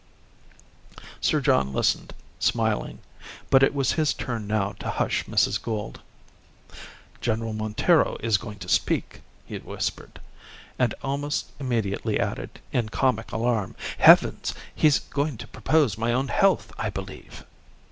Sir John listened, smiling. But it was his turn now to hush Mrs. Gould. "General Montero is going to speak," he whispered, and almost immediately added, in comic alarm, "Heavens! he's going to propose my own health, I believe."